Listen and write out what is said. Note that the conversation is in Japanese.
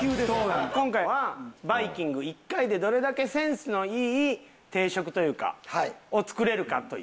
今回はバイキング１回でどれだけセンスのいい定食というかを作れるかという。